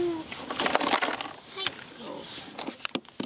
はい。